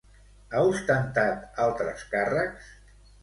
Ha ostentat altres càrrecs?